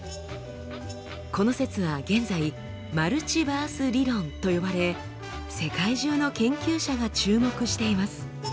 この説は現在「マルチバース理論」と呼ばれ世界中の研究者が注目しています。